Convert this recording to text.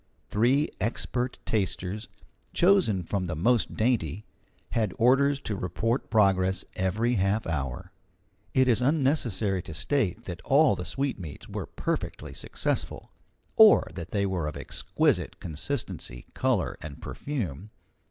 Three expert tasters, chosen from the most dainty, had orders to report progress every half hour. It is unnecessary to state that all the sweetmeats were perfectly successful, or that they were of exquisite consistency, colour, and perfume.